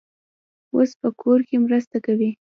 اوس په کور کې مرسته کوي.